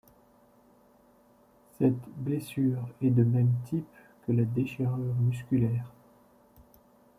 Cette blessure est de même type que la déchirure musculaire.